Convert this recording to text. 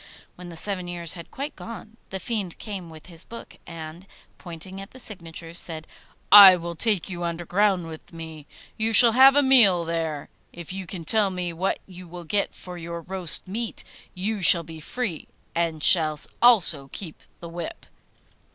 When the seven years had quite gone, the Fiend came with his book, and, pointing at the signatures, said, 'I will take you underground with me; you shall have a meal there. If you can tell me what you will get for your roast meat, you shall be free, and shall also keep the whip.